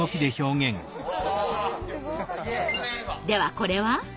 ではこれは？